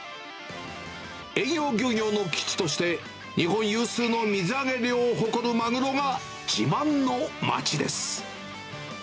遠洋漁業の基地として、日本有数の水揚げ量を誇るマグロが自慢の街です。